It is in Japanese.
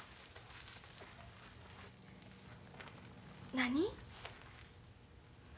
何？